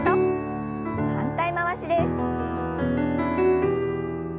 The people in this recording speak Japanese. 反対回しです。